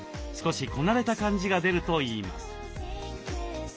少しこなれた感じが出るといいます。